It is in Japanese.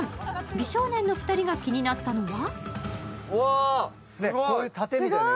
美少年の２人が気になったのは？